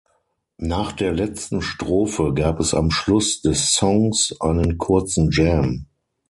Nach der letzten Strophe gab es am Schluss des Songs einen kurzen Jam.